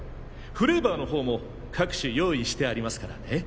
フレーバーの方も各種用意してありますからね。